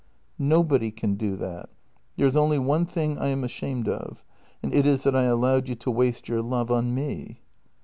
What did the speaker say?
" Nobody can do that. There is only one thing I am ashamed of, and it is that I allowed you to waste your love on me."